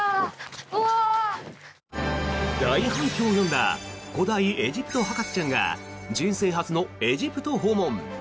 大反響を呼んだ古代エジプト博士ちゃんが人生初のエジプト訪問。